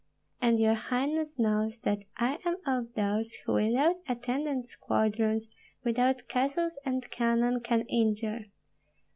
And your highness knows that I am of those who without attendant squadrons, without castles and cannon, can injure.